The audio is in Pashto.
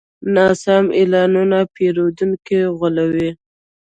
ناسم اعلان پیرودونکي غولوي.